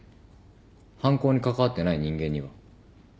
犯行に関わってない人間には。